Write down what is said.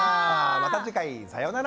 また次回さようなら。